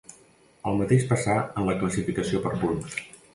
El mateix passà en la classificació per punts.